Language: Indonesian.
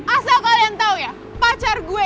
asal kalian tahu ya pacar gue